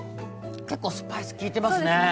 結構スパイス利いてますね。